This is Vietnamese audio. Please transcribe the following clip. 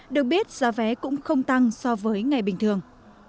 được biết giá vé cũng không tăng so với ngày bình thường